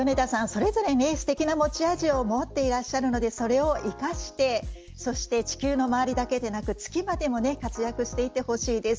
それぞれ素敵な持ち味を持っていらっしゃるのでそれを生かして地球の周りだけでなく月までも活躍していってほしいです。